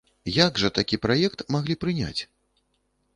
Як жа такі праект маглі прыняць?